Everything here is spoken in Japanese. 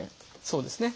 そうですね。